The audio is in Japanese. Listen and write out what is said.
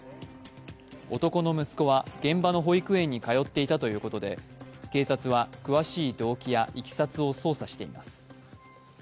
男の息子は、現場の保育園に通っていたということで警察は詳しい動機やいきさつを捜査しています。